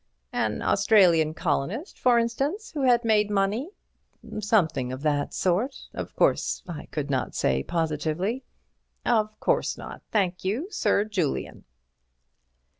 "An Australian colonist, for instance, who had made money?" "Something of that sort; of course, I could not say positively." "Of course not. Thank you, Sir Julian."